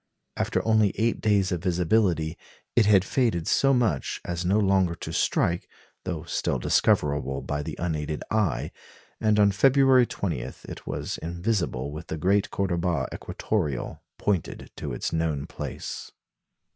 After only eight days of visibility, it had faded so much as no longer to strike, though still discoverable by the unaided eye; and on February 20 it was invisible with the great Cordoba equatoreal pointed to its known place.